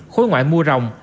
khối ngoại mua rồng